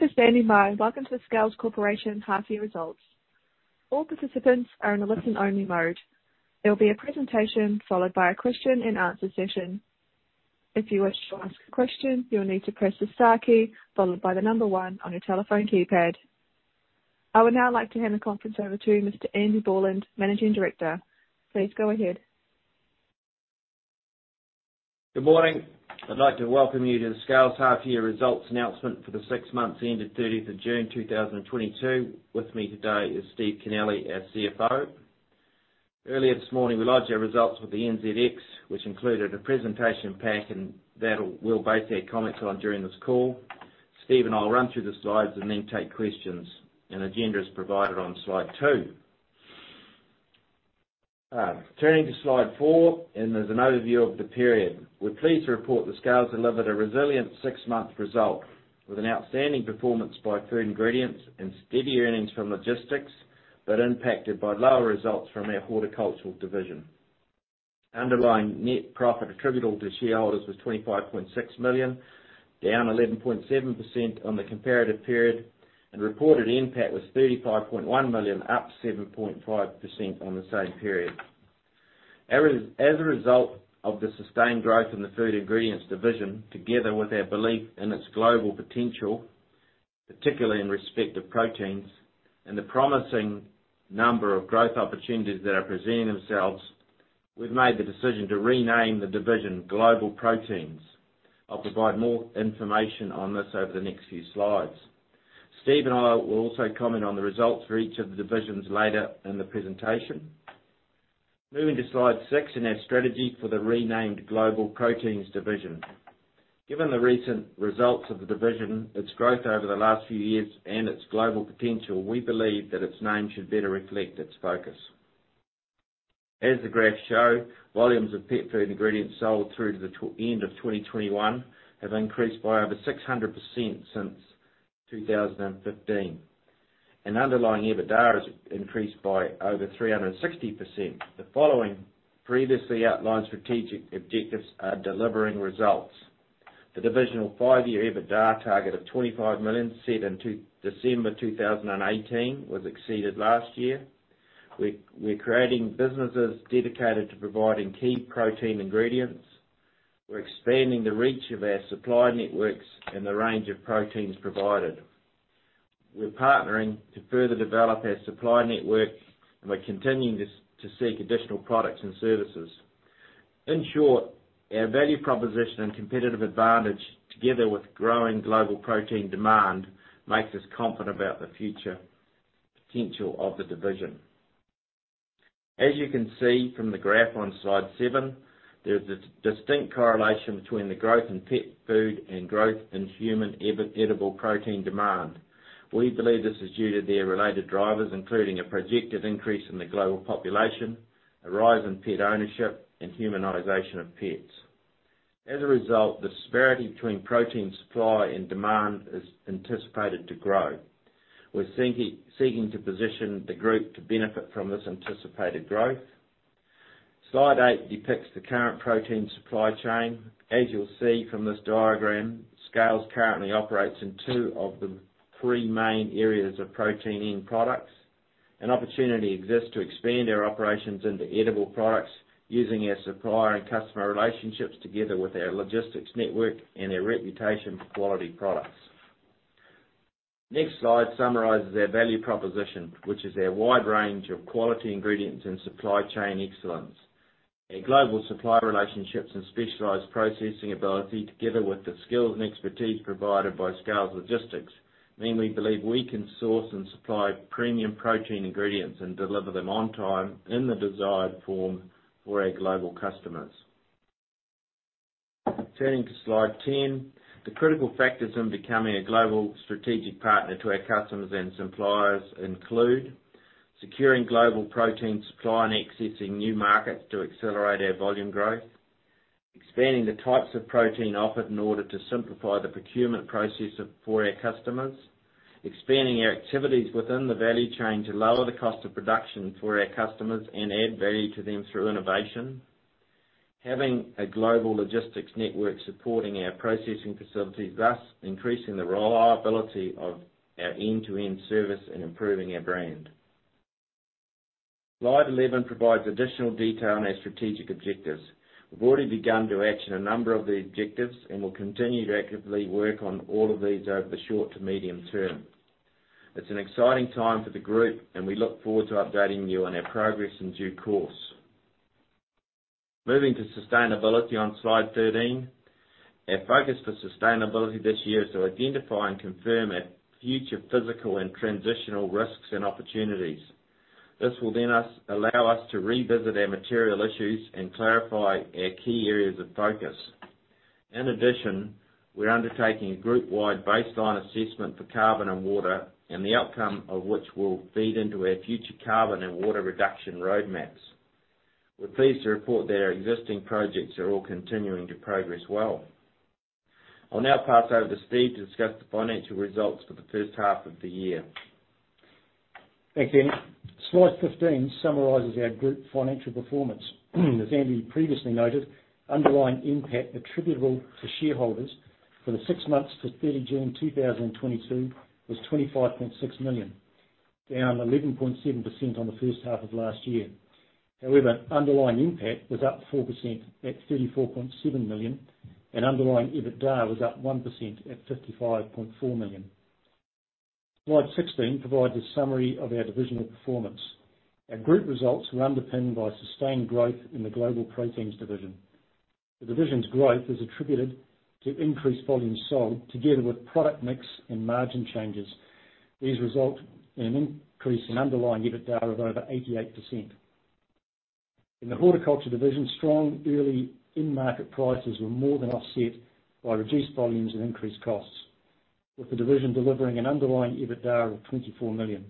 Thank you for standing by. Welcome to the Scales Corporation half year results. All participants are in a listen-only mode. There will be a presentation followed by a question-and-answer session. If you wish to ask a question, you'll need to press the star key followed by the number one on your telephone keypad. I would now like to hand the conference over to Mr. Andy Borland, Managing Director. Please go ahead. Good morning. I'd like to welcome you to the Scales half year results announcement for the six months ending thirtieth of June 2022. With me today is Steve Kennelly, our CFO. Earlier this morning, we lodged our results with the NZX, which included a presentation pack, and that we'll both add comments on during this call. Steve and I will run through the slides and then take questions. An agenda is provided on slide two. Turning to slide four, there's an overview of the period. We're pleased to report that Scales delivered a resilient six-month result with an outstanding performance by food ingredients and steady earnings from logistics, but impacted by lower results from our horticultural division. Underlying net profit attributable to shareholders was 25.6 million, down 11.7% on the comparative period, and reported NPAT was 35.1 million, up 7.5% on the same period. As a result of the sustained growth in the food ingredients division, together with our belief in its global potential, particularly in respect of proteins and the promising number of growth opportunities that are presenting themselves, we've made the decision to rename the division Global Proteins. I'll provide more information on this over the next few slides. Steve and I will also comment on the results for each of the divisions later in the presentation. Moving to slide six in our strategy for the renamed Global Proteins division. Given the recent results of the division, its growth over the last few years, and its global potential, we believe that its name should better reflect its focus. As the graphs show, volumes of pet food ingredients sold through to the year-end of 2021 have increased by over 600% since 2015. Underlying EBITDA has increased by over 360%. The following previously outlined strategic objectives are delivering results. The divisional five-year EBITDA target of 25 million set in December 2018 was exceeded last year. We're creating businesses dedicated to providing key protein ingredients. We're expanding the reach of our supply networks and the range of proteins provided. We're partnering to further develop our supply network, and we're continuing to seek additional products and services. In short, our value proposition and competitive advantage, together with growing global protein demand, makes us confident about the future potential of the division. As you can see from the graph on slide seven, there's a distinct correlation between the growth in pet food and growth in human edible protein demand. We believe this is due to their related drivers, including a projected increase in the global population, a rise in pet ownership, and humanization of pets. As a result, the disparity between protein supply and demand is anticipated to grow. We're seeking to position the group to benefit from this anticipated growth. Slide eight depicts the current protein supply chain. As you'll see from this diagram, Scales currently operates in two of the three main areas of protein end products. An opportunity exists to expand our operations into edible products using our supplier and customer relationships together with our logistics network and our reputation for quality products. Next slide summarizes our value proposition, which is our wide range of quality ingredients and supply chain excellence. Our global supplier relationships and specialized processing ability, together with the skills and expertise provided by Scales Logistics, mean we believe we can source and supply premium protein ingredients and deliver them on time in the desired form for our global customers. Turning to slide 10. The critical factors in becoming a global strategic partner to our customers and suppliers include securing global protein supply and accessing new markets to accelerate our volume growth. Expanding the types of protein offered in order to simplify the procurement process for our customers. Expanding our activities within the value chain to lower the cost of production for our customers and add value to them through innovation. Having a global logistics network supporting our processing facilities, thus increasing the reliability of our end-to-end service and improving our brand. Slide 11 provides additional detail on our strategic objectives. We've already begun to action a number of the objectives and will continue to actively work on all of these over the short to medium term. It's an exciting time for the group, and we look forward to updating you on our progress in due course. Moving to sustainability on slide 13. Our focus for sustainability this year is to identify and confirm our future physical and transitional risks and opportunities. This will allow us to revisit our material issues and clarify our key areas of focus. In addition, we're undertaking a group-wide baseline assessment for carbon and water, and the outcome of which will feed into our future carbon and water reduction roadmaps. We're pleased to report that our existing projects are all continuing to progress well. I'll now pass over to Steve to discuss the financial results for the first half of the year. Thanks, Andy. Slide 15 summarizes our group financial performance. As Andy previously noted, underlying NPAT attributable to shareholders for the six months to 30 June 2022 was 25.6 million, down 11.7% on the first half of last year. However, underlying NPAT was up 4% at 34.7 million and underlying EBITDA was up 1% at 55.4 million. Slide 16 provides a summary of our divisional performance. Our group results were underpinned by sustained growth in the Global Proteins division. The division's growth is attributed to increased volume sold together with product mix and margin changes. These result in an increase in underlying EBITDA of over 88%. In the horticulture division, strong early in-market prices were more than offset by reduced volumes and increased costs, with the division delivering an underlying EBITDA of 24 million.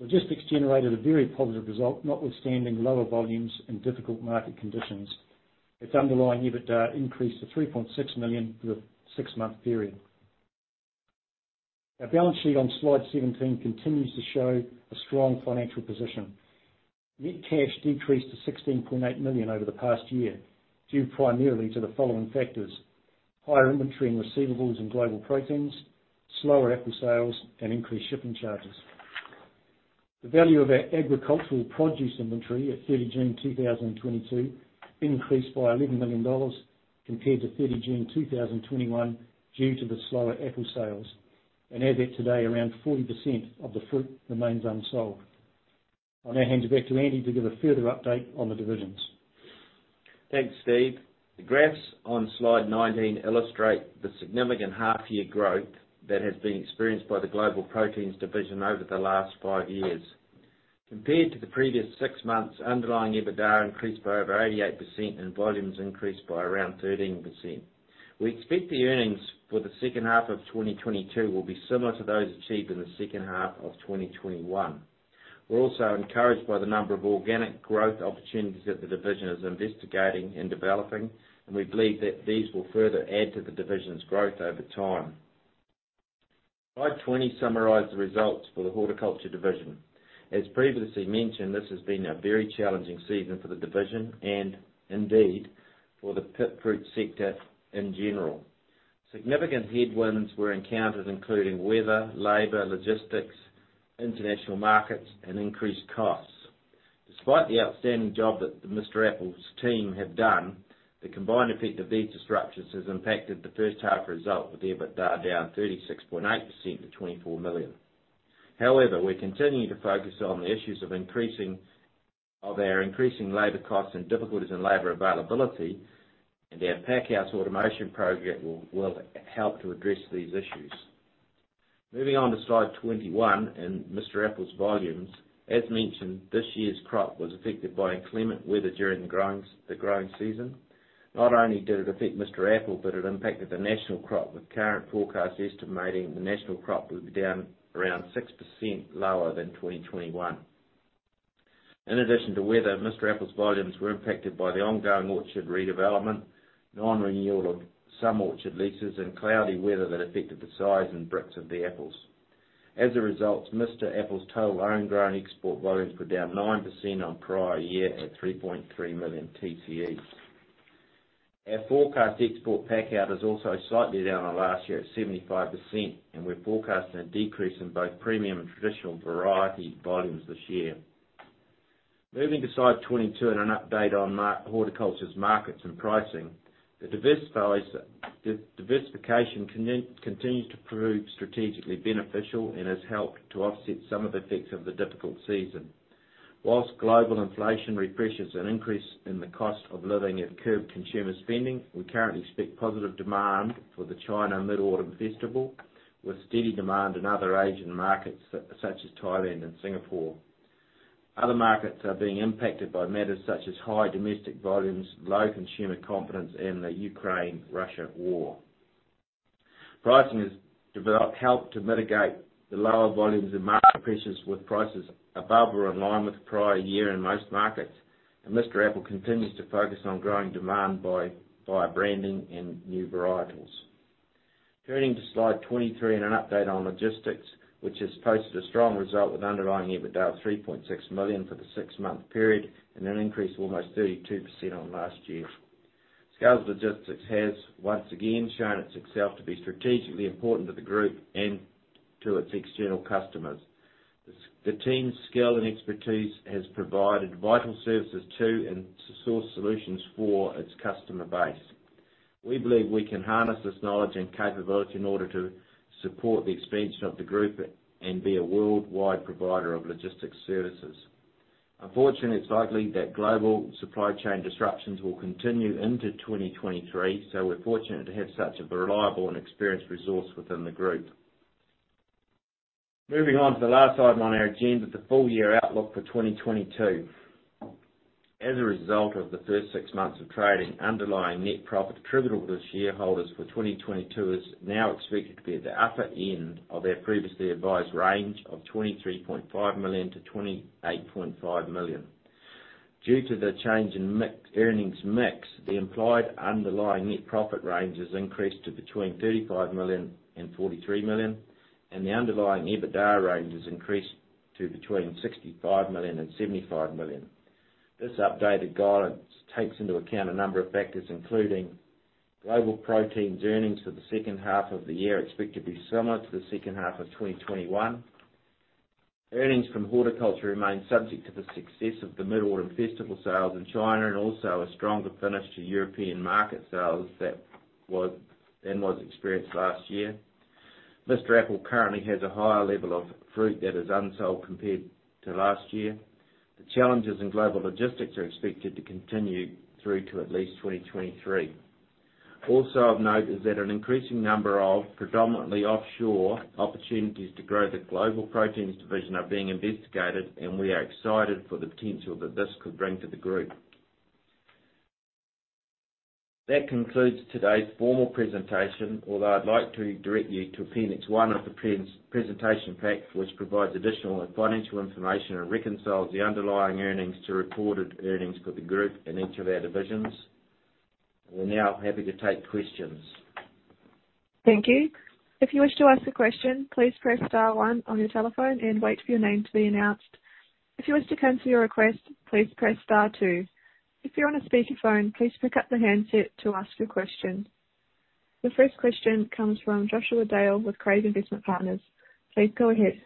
Logistics generated a very positive result, notwithstanding lower volumes and difficult market conditions. Its underlying EBITDA increased to 3.6 million for the six-month period. Our balance sheet on slide 17 continues to show a strong financial position. Net cash decreased to 16.8 million over the past year, due primarily to the following factors, higher inventory and receivables in Global Proteins, slower apple sales, and increased shipping charges. The value of our agricultural produce inventory at 30 June 2022 increased by 11 million dollars compared to 30 June 2021 due to the slower apple sales, and as of today, around 40% of the fruit remains unsold. I'll now hand you back to Andy to give a further update on the divisions. Thanks, Steve. The graphs on slide 19 illustrate the significant half-year growth that has been experienced by the Global Proteins division over the last five years. Compared to the previous six months, underlying EBITDA increased by over 88%, and volumes increased by around 13%. We expect the earnings for the second half of 2022 will be similar to those achieved in the second half of 2021. We're also encouraged by the number of organic growth opportunities that the division is investigating and developing, and we believe that these will further add to the division's growth over time. Slide 20 summarize the results for the horticulture division. As previously mentioned, this has been a very challenging season for the division and indeed for the pip fruit sector in general. Significant headwinds were encountered, including weather, labor, logistics, international markets, and increased costs. Despite the outstanding job that the Mr. Apple's team have done, the combined effect of these disruptions has impacted the first half result, with EBITDA down 36.8% to 24 million. However, we're continuing to focus on the issues of our increasing labor costs and difficulties in labor availability, and our pack house automation program will help to address these issues. Moving on to slide 21 and Mr. Apple's volumes. As mentioned, this year's crop was affected by inclement weather during the growing season. Not only did it affect Mr. Apple, but it impacted the national crop, with current forecasts estimating the national crop will be down around 6% lower than 2021. In addition to weather, Mr. Apple's volumes were impacted by the ongoing orchard redevelopment, non-renewal of some orchard leases, and cloudy weather that affected the size and Brix of the apples. As a result, Mr. Apple's total own grown export volumes were down 9% on prior year at 3.3 million TCE. Our forecast export pack out is also slightly down on last year at 75%, and we're forecasting a decrease in both premium and traditional variety volumes this year. Moving to slide 22 and an update on Mr. Apple horticulture's markets and pricing. The diversification continues to prove strategically beneficial and has helped to offset some of the effects of the difficult season. While global inflationary pressures and increase in the cost of living have curbed consumer spending, we currently expect positive demand for the China Mid-Autumn Festival, with steady demand in other Asian markets such as Thailand and Singapore. Other markets are being impacted by matters such as high domestic volumes, low consumer confidence, and the Ukraine-Russia war. Pricing has developed, helped to mitigate the lower volumes and market pressures with prices above or in line with prior year in most markets, and Mr. Apple continues to focus on growing demand by branding and new varietals. Turning to slide 23 and an update on logistics, which has posted a strong result with underlying EBITDA of 3.6 million for the six-month period and an increase of almost 32% on last year. Scales Logistics has once again shown itself to be strategically important to the group and to its external customers. The team's skill and expertise has provided vital services to and sourced solutions for its customer base. We believe we can harness this knowledge and capability in order to support the expansion of the group and be a worldwide provider of logistics services. Unfortunately, it's likely that global supply chain disruptions will continue into 2023, so we're fortunate to have such a reliable and experienced resource within the group. Moving on to the last item on our agenda, the full year outlook for 2022. As a result of the first six months of trading, underlying net profit attributable to shareholders for 2022 is now expected to be at the upper end of our previously advised range of 23.5 million-28.5 million. Due to the change in mix, earnings mix, the implied underlying net profit range has increased to between 35 million and 43 million, and the underlying EBITDA range has increased to between 65 million and 75 million. This updated guidance takes into account a number of factors, including Global Proteins earnings for the second half of the year expect to be similar to the second half of 2021. Earnings from horticulture remain subject to the success of the Mid-Autumn Festival sales in China, and also a stronger finish to European market sales than was experienced last year. Mr. Apple currently has a higher level of fruit that is unsold compared to last year. The challenges in global logistics are expected to continue through to at least 2023. Also of note is that an increasing number of predominantly offshore opportunities to grow the Global Proteins division are being investigated, and we are excited for the potential that this could bring to the group. That concludes today's formal presentation, although I'd like to direct you to Appendix one of the presentation pack, which provides additional financial information and reconciles the underlying earnings to reported earnings for the group in each of our divisions. We're now happy to take questions. Thank you. If you wish to ask a question, please press star one on your telephone and wait for your name to be announced. If you wish to cancel your request, please press star two. If you're on a speakerphone, please pick up the handset to ask your question. The first question comes from Joshua Dale with Craigs Investment Partners. Please go ahead.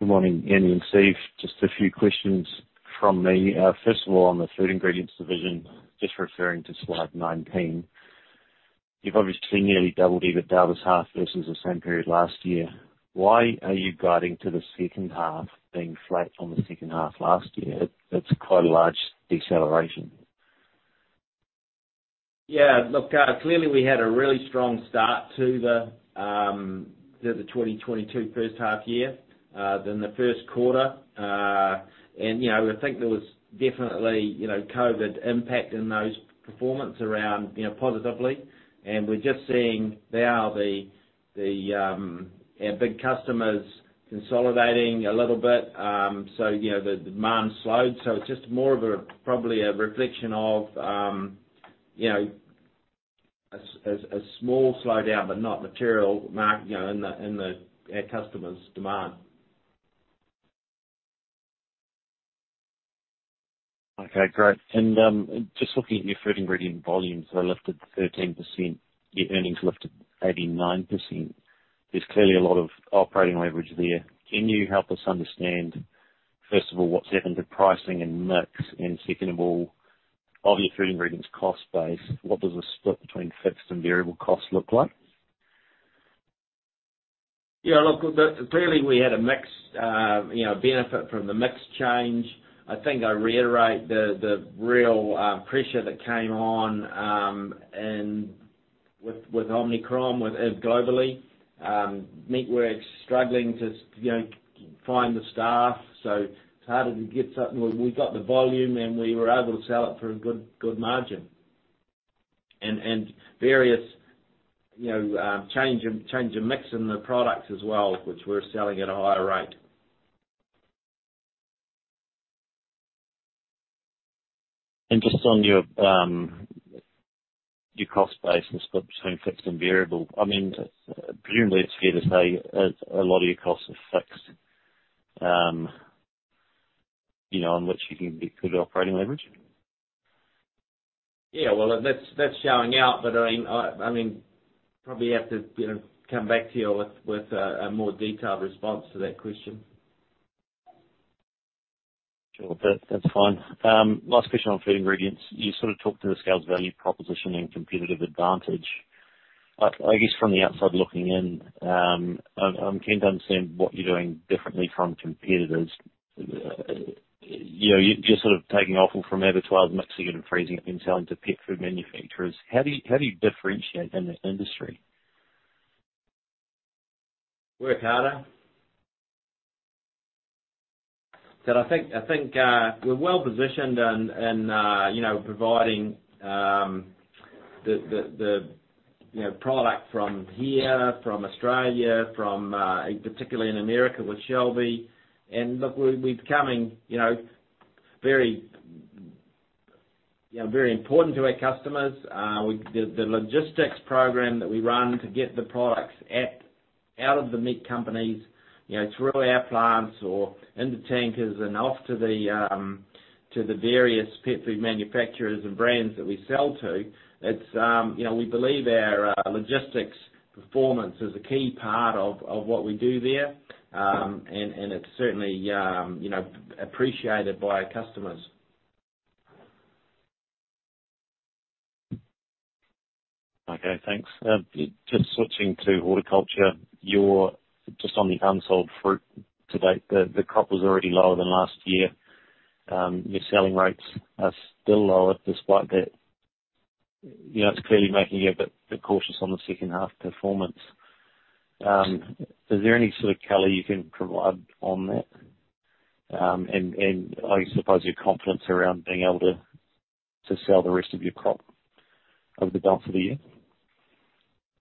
Good morning, Andy and Steve. Just a few questions from me. First of all, on the food ingredients division, just referring to slide 19, you've obviously nearly doubled EBITDA this half versus the same period last year. Why are you guiding to the second half being flat on the second half last year? It's quite a large deceleration. Yeah, look, clearly we had a really strong start to the 2022 first half year than the first quarter. You know, I think there was definitely, you know, COVID impact in those performance around positively. We're just seeing now our big customers consolidating a little bit, so, you know, the demand slowed. It's just more of a, probably a reflection of, you know, a small slowdown, but not material, you know, in the our customers' demand. Okay, great. Just looking at your food ingredient volumes are lifted 13%, your earnings lifted 89%. There's clearly a lot of operating leverage there. Can you help us understand, first of all, what's happened to pricing and mix? Second of all, of your food ingredients cost base, what does the split between fixed and variable costs look like? Yeah, look, clearly we had a mix, you know, benefit from the mix change. I think I reiterate the real pressure that came on in with Omicron with globally meatworks struggling to you know find the staff, so it's harder to get something. We got the volume, and we were able to sell it for a good margin. Various, you know, change in mix in the products as well, which we're selling at a higher rate. Just on your cost base and split between fixed and variable, I mean, presumably it's fair to say a lot of your costs are fixed, you know, on which you can get good operating leverage. Well, that's showing out. I mean, probably have to, you know, come back to you with a more detailed response to that question. Sure. That's fine. Last question on food ingredients. You sort of talked through the Scales value proposition and competitive advantage. I guess from the outside looking in, I'm keen to understand what you're doing differently from competitors. You know, you're just sort of taking offal from abattoirs, mixing it and freezing it and selling to pet food manufacturers. How do you differentiate in the industry? Work harder. I think we're well-positioned in you know providing the product from here from Australia from particularly in America with Shelby. Look we're becoming you know very you know very important to our customers. The logistics program that we run to get the products out of the meat companies you know through our plants or into tankers and off to the various pet food manufacturers and brands that we sell to it's you know we believe our logistics performance is a key part of what we do there. It's certainly you know appreciated by our customers. Okay, thanks. Just switching to horticulture. Just on the unsold fruit to date, the crop was already lower than last year. Your selling rates are still lower despite that. You know, it's clearly making you a bit cautious on the second half performance. Is there any sort of color you can provide on that? I suppose your confidence around being able to sell the rest of your crop over the balance of the year?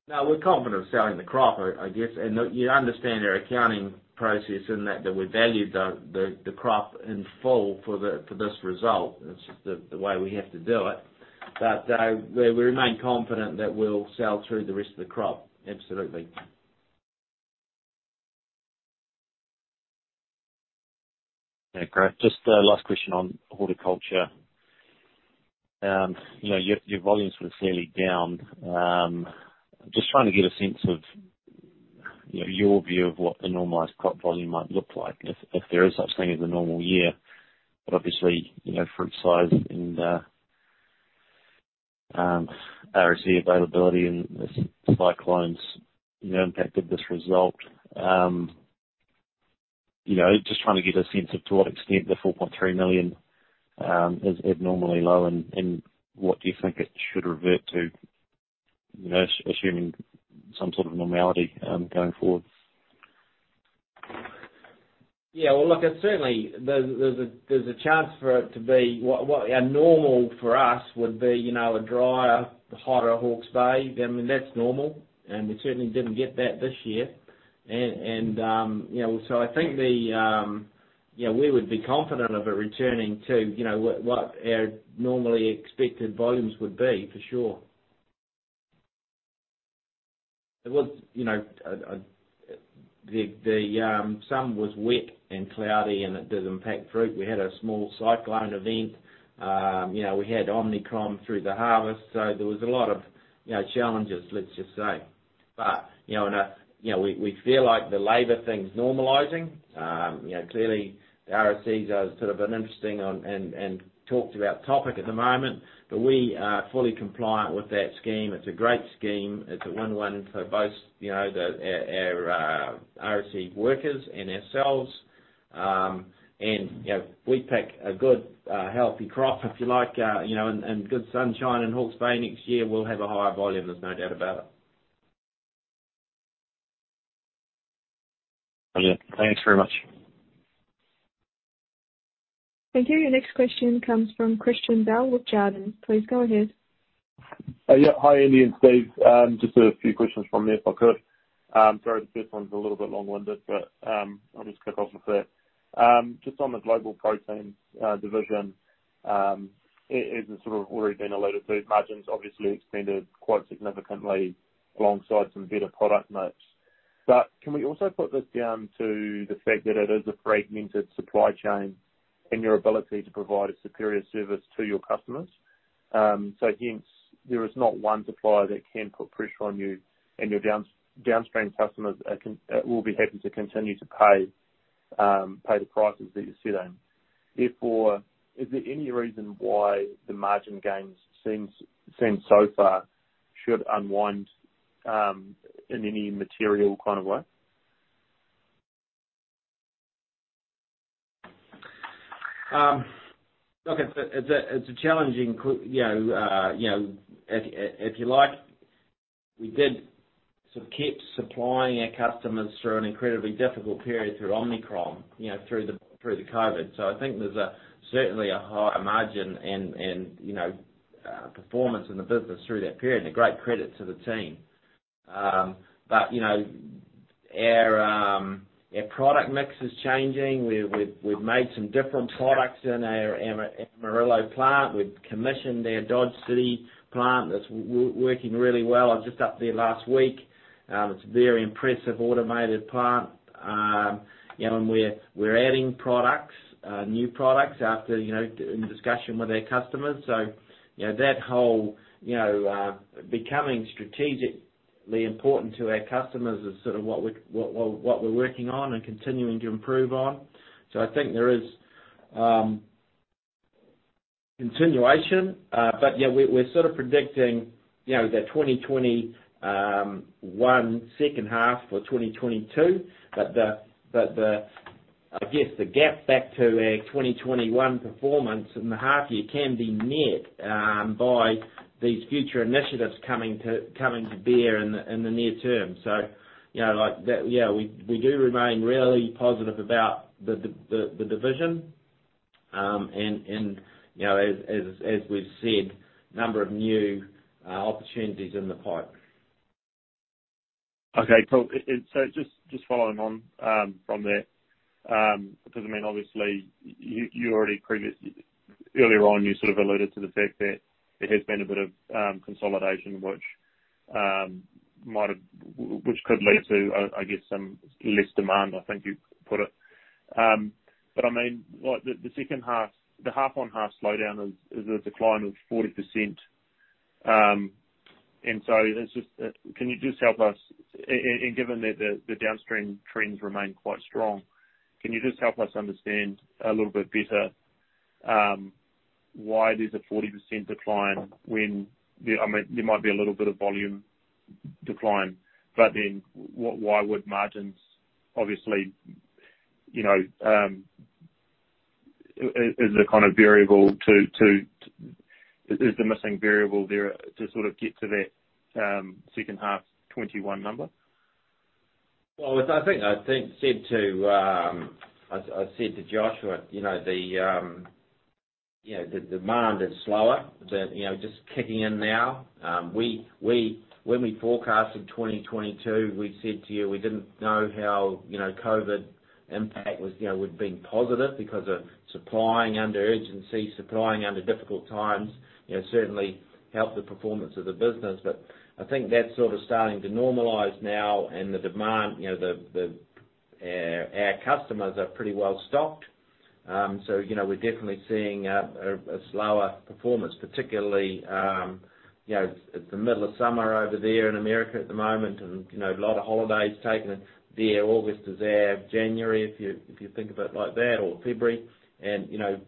No, we're confident of selling the crop, I guess. Look, you understand our accounting process in that that we value the crop in full for this result. It's just the way we have to do it. We remain confident that we'll sell through the rest of the crop. Absolutely. Yeah, great. Just last question on horticulture. You know, your volumes were clearly down. Just trying to get a sense of, you know, your view of what the normalized crop volume might look like if there is such thing as a normal year. Obviously, you know, fruit size and RSE availability and the cyclones, you know, impacted this result. You know, just trying to get a sense of to what extent the 4.3 million is abnormally low, and what do you think it should revert to, you know, assuming some sort of normality going forward? Yeah, well, look, it's certainly. There's a chance for it to be what a normal for us would be, you know, a drier, hotter Hawke's Bay. I mean, that's normal, and we certainly didn't get that this year. I think we would be confident of it returning to, you know, what our normally expected volumes would be, for sure. It was, you know, summer was wet and cloudy, and it does impact fruit. We had a small cyclone event. We had Omicron through the harvest. There was a lot of, you know, challenges, let's just say. We feel like the labor thing's normalizing. You know, clearly the RSEs are sort of an interesting one and talked about topic at the moment, but we are fully compliant with that scheme. It's a great scheme. It's a win-win for both, you know, our RSE workers and ourselves. You know, we pick a good healthy crop, if you like, you know, and good sunshine in Hawke's Bay next year, we'll have a higher volume. There's no doubt about it. Brilliant. Thanks very much. Thank you. Your next question comes from Christian Bell with Jarden. Please go ahead. Yeah. Hi, Andy and Steve. Just a few questions from me, if I could. Sorry, the first one's a little bit long-winded, but I'll just kick off with that. Just on the Global Proteins division, it has sort of already been alluded to. Margins obviously expanded quite significantly alongside some better product mix. Can we also put this down to the fact that it is a fragmented supply chain and your ability to provide a superior service to your customers? Hence there is not one supplier that can put pressure on you, and your downstream customers can will be happy to continue to pay the prices that you're setting. Therefore, is there any reason why the margin gains seem so far should unwind in any material kind of way? Look, it's a challenging, you know, if you like, we did sort of keep supplying our customers through an incredibly difficult period through Omicron, you know, through the COVID. I think there's certainly a higher margin and performance in the business through that period, and a great credit to the team. Our product mix is changing. We've made some different products in our Amarillo plant. We've commissioned our Dodge City plant. That's working really well. I was just up there last week. It's a very impressive automated plant. You know, and we're adding products, new products after, you know, in discussion with our customers. You know, that whole, you know, becoming strategically important to our customers is sort of what we're working on and continuing to improve on. I think there is continuation. But yeah, we're sort of predicting, you know, the 2021 second half for 2022, but the, I guess, the gap back to our 2021 performance in the half year can be met by these future initiatives coming to bear in the near term. You know, like that, yeah, we do remain really positive about the division. And, you know, as we've said, number of new opportunities in the pipe. Okay, cool. Just following on from there, because I mean, obviously you already earlier on, you sort of alluded to the fact that there has been a bit of consolidation, which might have, which could lead to, I guess, some less demand, I think you put it. I mean, like the second half, the half-on-half slowdown is a decline of 40%. It's just, can you just help us, and given that the downstream trends remain quite strong, can you just help us understand a little bit better, why there's a 40% decline when the I mean, there might be a little bit of volume decline, but then why would margins obviously, you know, is a kind of variable to. Is the missing variable there to sort of get to that second half 2021 number? Well, I think I said to Joshua, you know, the demand is slower, but, you know, just kicking in now. When we forecasted 2022, we said to you we didn't know how, you know, COVID impact was, you know, would have been positive because of supplying under urgency, supplying under difficult times, you know, certainly helped the performance of the business. But I think that's sort of starting to normalize now and the demand, you know, the, our customers are pretty well-stocked. So, you know, we're definitely seeing a slower performance, particularly, you know, it's the middle of summer over there in America at the moment and, you know, a lot of holidays taken. Their August is our January, if you think of it like that, or February. You know,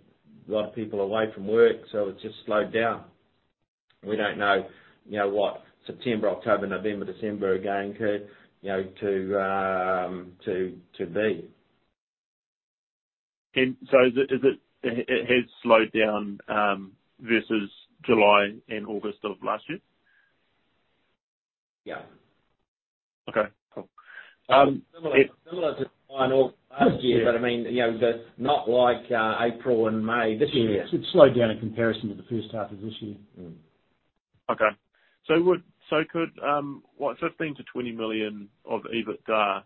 a lot of people are away from work, so it's just slowed down. We don't know, you know, what September, October, November, December are going to, you know, to be. Is it it has slowed down versus July and August of last year? Yeah. Okay, cool. Similar to last year, but I mean, you know, the not like April and May this year. Yeah. It's slowed down in comparison to the first half of this year. Okay. Could what, 15 million-20 million of EBITDA,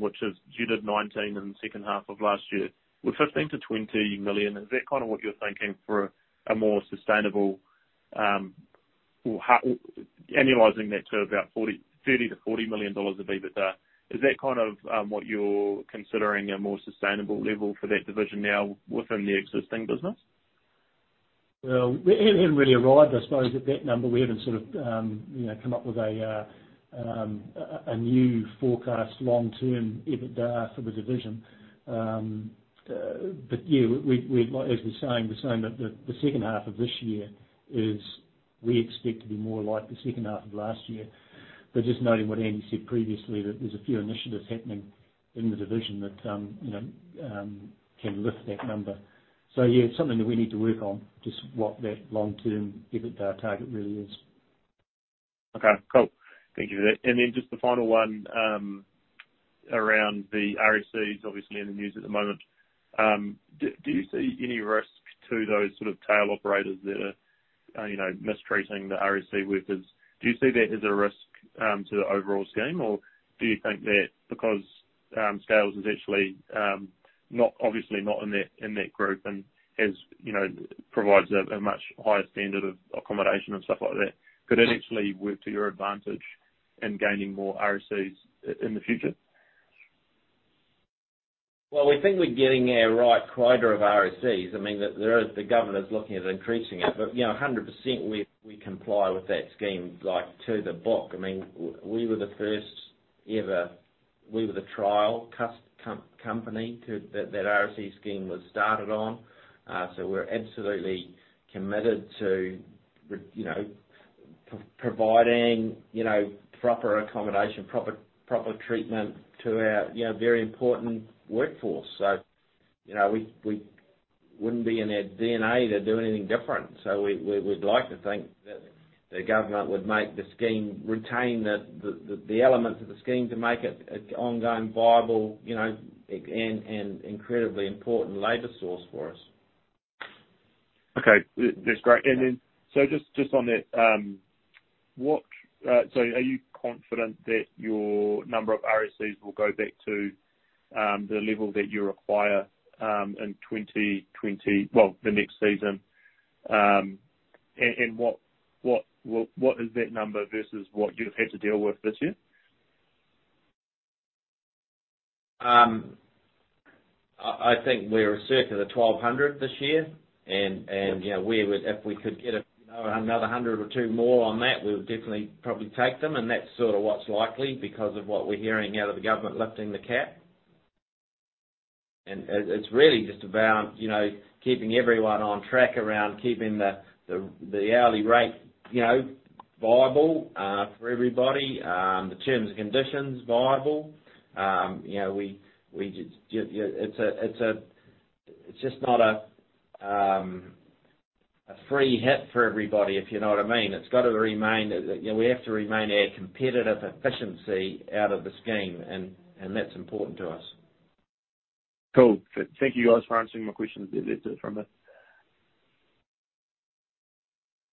which is you did 19 in the second half of last year, with 15 million-20 million, is that kinda what you're thinking for a more sustainable or annualizing that to about 40 million dollars, NZD 30 million-NZD 40 million of EBITDA? Is that kind of what you're considering a more sustainable level for that division now within the existing business? Well, we haven't really arrived, I suppose, at that number. We haven't sort of you know come up with a new forecast long-term EBITDA for the division. But yeah, as we're saying, we're saying that the second half of this year is we expect to be more like the second half of last year. Just noting what Andy said previously, that there's a few initiatives happening in the division that you know can lift that number. Yeah, something that we need to work on, just what that long-term EBITDA target really is. Okay, cool. Thank you for that. Just the final one around the RSEs, obviously in the news at the moment. Do you see any risk to those sort of tail operators that are, you know, mistreating the RSE workers? Do you see that as a risk to the overall scheme? Or do you think that because Scales is actually not, obviously not in that group and has, you know, provides a much higher standard of accommodation and stuff like that, could it actually work to your advantage in gaining more RSEs in the future? Well, we think we're getting our right quota of RSEs. I mean, the government is looking at increasing it. You know, 100% we comply with that scheme, like, by the book. I mean, we were the first ever. We were the trial company that the RSE scheme was started on. We're absolutely committed to providing, you know, proper accommodation, proper treatment to our, you know, very important workforce. You know, we wouldn't be in our DNA to do anything different. We'd like to think that the government would make the scheme retain the elements of the scheme to make it an ongoing, viable, you know, and incredibly important labor source for us. Okay. That's great. Just on that, are you confident that your number of RSEs will go back to the level that you require in 2020, well, the next season? What is that number versus what you've had to deal with this year? I think we're circa 1,200 this year. You know, we would if we could get, you know, another 100 or 200 more on that, we would definitely probably take them. That's sorta what's likely because of what we're hearing out of the government lifting the cap. It's really just about, you know, keeping everyone on track around keeping the hourly rate, you know, viable for everybody. The terms and conditions viable. You know, it's just not a free hit for everybody, if you know what I mean. It's got to remain, you know, we have to remain our competitive efficiency out of the scheme, and that's important to us. Cool. Thank you guys for answering my questions. That's it from me.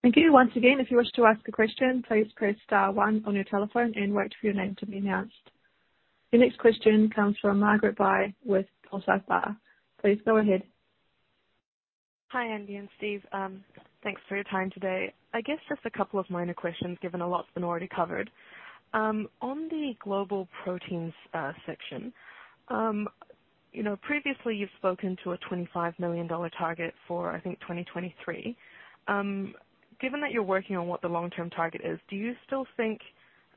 Thank you. Once again, if you wish to ask a question, please press star one on your telephone and wait for your name to be announced. Your next question comes from Margaret Bei with Forsyth Barr. Please go ahead. Hi, Andy and Steve. Thanks for your time today. I guess just a couple of minor questions, given a lot's been already covered. On the Global Proteins section, you know, previously you've spoken to a 25 million dollar target for, I think, 2023. Given that you're working on what the long-term target is, do you still think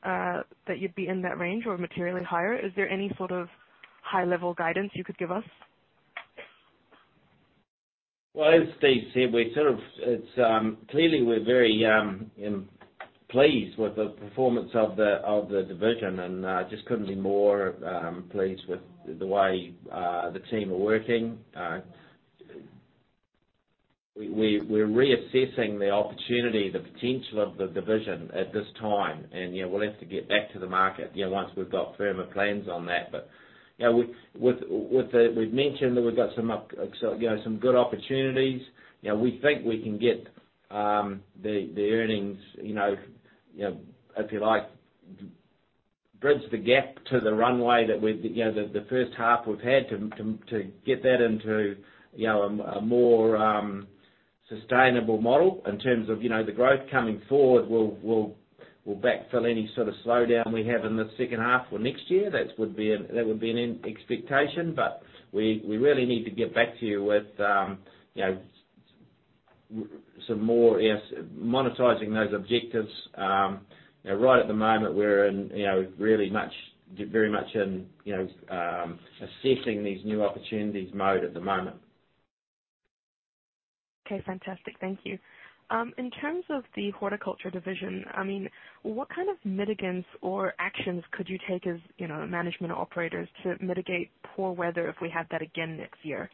that you'd be in that range or materially higher? Is there any sort of high-level guidance you could give us? Well, as Steve said, it's clearly we're very pleased with the performance of the division and just couldn't be more pleased with the way the team are working. We're reassessing the opportunity, the potential of the division at this time. You know, we'll have to get back to the market, you know, once we've got firmer plans on that. You know, with the. We've mentioned that we've got some, you know, some good opportunities. You know, we think we can get the earnings, you know, if you like, bridge the gap to the runway that we, you know, the first half we've had to get that into, you know, a more sustainable model in terms of, you know, the growth coming forward will backfill any sort of slowdown we have in the second half or next year. That would be an expectation, but we really need to get back to you with, you know, some more. Yes, monetizing those objectives. You know, right at the moment we're in, you know, really much, very much in, you know, assessing these new opportunities mode at the moment. Okay, fantastic. Thank you. In terms of the horticulture division, I mean, what kind of mitigants or actions could you take as, you know, management operators to mitigate poor weather if we have that again next year?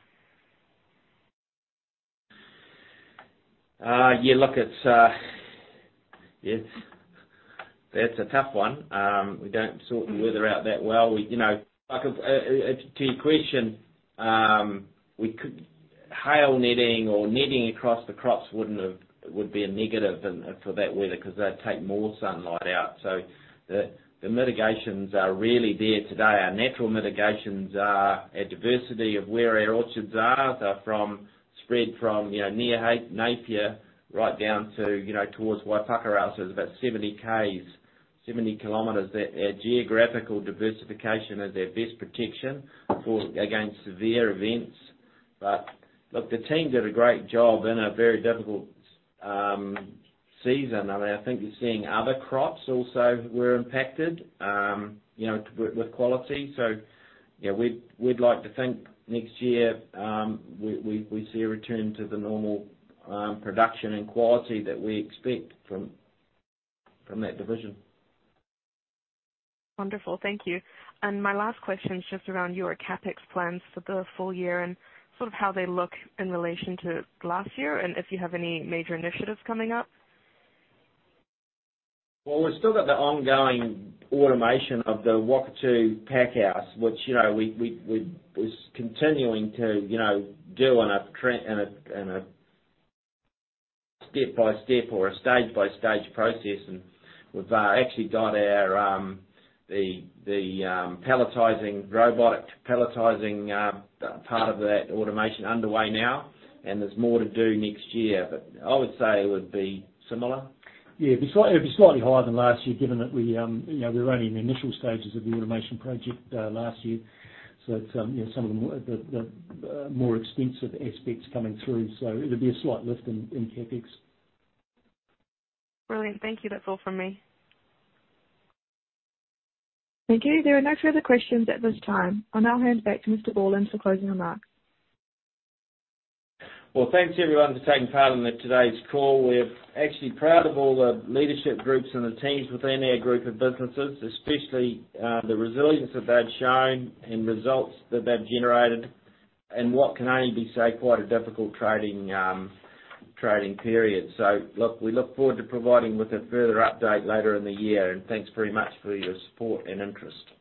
Yeah, look, it's yeah, that's a tough one. We don't sort the weather out that well. You know, like, to your question, we could. Hail netting or netting across the crops would be a negative for that weather 'cause they'd take more sunlight out. The mitigations are really there today. Our natural mitigations are a diversity of where our orchards are. They're spread from, you know, near Napier right down to, you know, towards Waipukurau. So it's about 70 km. Their geographical diversification is their best protection against severe events. Look, the team did a great job in a very difficult season. I mean, I think you're seeing other crops also were impacted, you know, with quality. You know, we'd like to think next year we see a return to the normal production and quality that we expect from that division. Wonderful. Thank you. My last question is just around your CapEx plans for the full year and sort of how they look in relation to last year and if you have any major initiatives coming up. Well, we've still got the ongoing automation of the Whakatū pack house, which, you know, we're continuing to, you know, do in a step-by-step or a stage-by-stage process. We've actually got our palletizing robot, palletizing part of that automation underway now, and there's more to do next year. I would say it would be similar. Yeah. It'd be slightly higher than last year, given that we, you know, we were only in the initial stages of the automation project last year. It's, you know, some of the more extensive aspects coming through, so it'll be a slight lift in CapEx. Brilliant. Thank you. That's all from me. Thank you. There are no further questions at this time. I'll now hand back to Mr. Borland for closing remarks. Well, thanks, everyone, for taking part in today's call. We're actually proud of all the leadership groups and the teams within our group of businesses, especially the resilience that they've shown and results that they've generated in what can only be said, quite a difficult trading period. Look, we look forward to providing with a further update later in the year, and thanks very much for your support and interest.